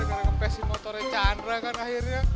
ngebesin motornya chandra kan akhirnya